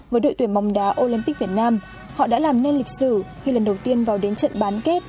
với đội tuyển bóng đá olympic việt nam họ đã làm nên lịch sử khi lần đầu tiên vào đến trận bán kết